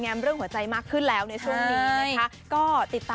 เป็นเพื่อนการคนที่สนิทที่สุด